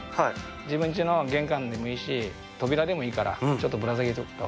自分ちの玄関でもいいし扉でもいいからちょっとぶらさげておくと。